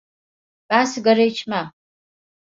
Ben sigara içmem.